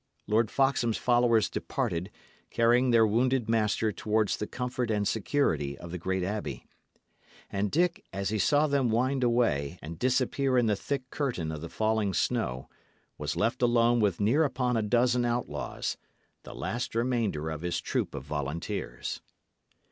Lord Foxham's followers departed, carrying their wounded master towards the comfort and security of the great abbey; and Dick, as he saw them wind away and disappear in the thick curtain of the falling snow, was left alone with near upon a dozen outlaws, the last remainder of his troop of volunteers.